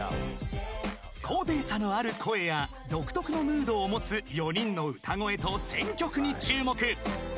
［高低差のある声や独特のムードを持つ４人の歌声と選曲に注目］